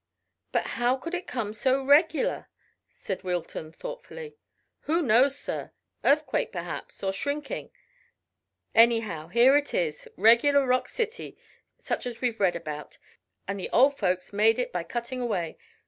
"But how could it come so regular?" said Wilton thoughtfully. "Who knows, sir? Earthquake perhaps, or shrinking. Anyhow, here it is, regular rock city such as we've read about; and the old folks made it by cutting away.